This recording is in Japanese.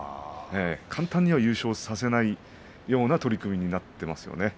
簡単には優勝させないような取組になっていますよね。